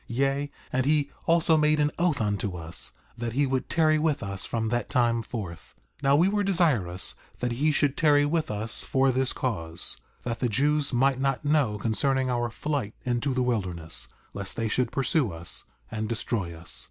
Yea, and he also made an oath unto us that he would tarry with us from that time forth. 4:36 Now we were desirous that he should tarry with us for this cause, that the Jews might not know concerning our flight into the wilderness, lest they should pursue us and destroy us.